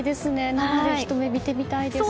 生で、ひと目見てみたいです。